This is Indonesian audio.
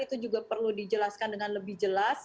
itu juga perlu dijelaskan dengan lebih jelas